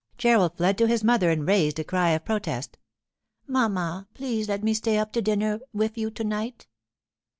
Gerald fled to his mother and raised a cry of protest. 'Mamma, please let me stay up to dinner wif you to night.